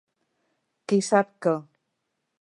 Qui sap què.